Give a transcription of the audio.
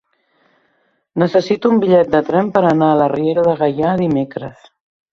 Necessito un bitllet de tren per anar a la Riera de Gaià dimecres.